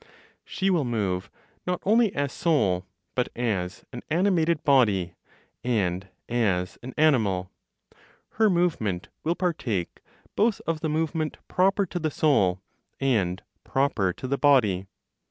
She will move, not only as soul, but as an animated body, and as an animal; her movement will partake both of the movement proper to the soul, and proper to the body.